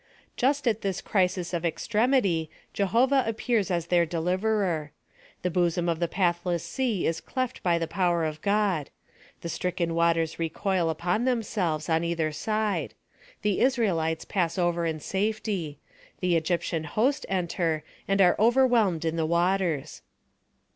Just at this crisis of extremity Jehovah appears as their deliverer. The bosom of the pathless sea is cleft by the power of God. The stricken waters recoil upon themselves on either side. The Israelites pass over in safety. The Egyp tian host enter and are overwhelmed in the waters.